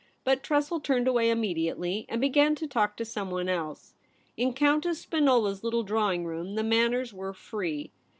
But Tressel turned away immediately, and began to talk to someone else. In Countess Spinola's little drawing room the manners were free.